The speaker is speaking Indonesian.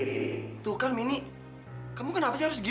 eh itu itu ke negeri sihir